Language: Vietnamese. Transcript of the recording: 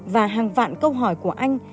và hàng vạn câu hỏi của anh